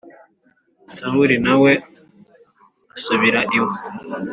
Sawuli na we asubira iwe